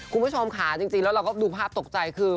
คุณผู้ชมค่ะจริงแล้วเราก็ดูภาพตกใจคือ